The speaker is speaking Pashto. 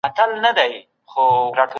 د خټو لوښي څنګه جوړېدل؟